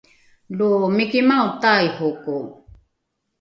lo mikimao taihoko